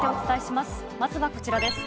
まずはこちらです。